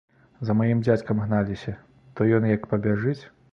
За маім дзядзькам гналіся, то ён як пабяжыць!